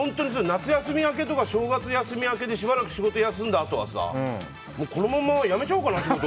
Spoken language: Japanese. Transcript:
夏休みとか正月休み明けでしばらく仕事休んだあとはこのまま辞めちゃおうかな